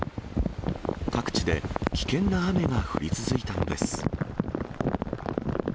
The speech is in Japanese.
各地で危険な雨が降り続いたのです。